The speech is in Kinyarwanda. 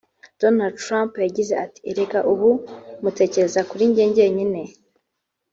Donald Trump yagize ati "Erega ubu mutekereze kuri jye jyenyine